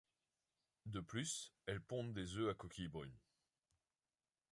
De plus, elles pondent des œufs à coquille brune.